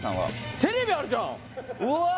・テレビあるじゃん